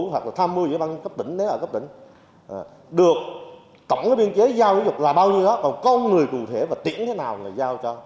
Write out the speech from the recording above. hoặc là tham mưu cho các cấp tỉnh được tổng biên chế giao dục là bao nhiêu đó còn con người tù thể và tiễn thế nào là giao cho